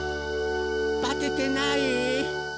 バテてない？